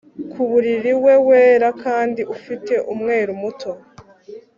Ku mubiri we wera kandi ufite umweru muto